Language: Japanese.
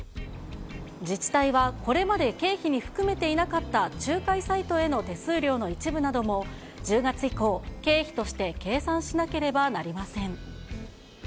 自治体は、これまで経費に含めていなかった仲介サイトへの手数料の一部なども、１０月以降、経費として計算しなければなりません。